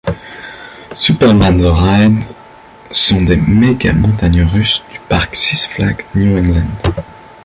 Superman the Ride sont des méga montagnes russes du parc Six Flags New England.